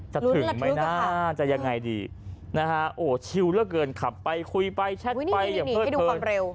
จะถึงไหมน่าจะยังไงดีชิลเรื่องเกินขับไปคุยไปเฉตไปอย่าเพิ่งเพิ่งหนีให้ดูความเร็ว